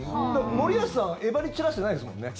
森保さんは威張り散らしてないですもんね